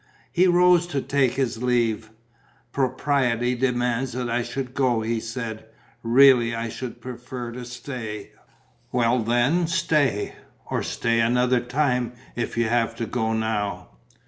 He rose to take his leave: "Propriety demands that I should go," he said. "Really I should prefer to stay." "Well, then stay ... or stay another time, if you have to go now."